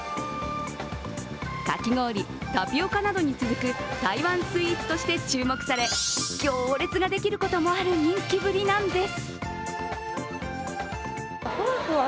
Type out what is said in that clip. かき氷、タピオカなどに続く台湾スイーツとして注目され、行列ができることもある人気ぶりなんです。